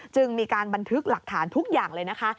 จึงมีการบันทึกหลักฐานทุกอย่างเลยนะคะ